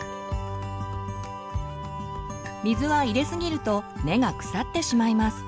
水は入れすぎると根が腐ってしまいます。